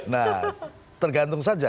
nah tergantung saja